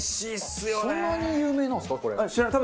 そんなに有名なんですか？